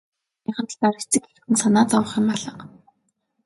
Хоол ундных нь талаар эцэг эхэд нь санаа зовох юм алга.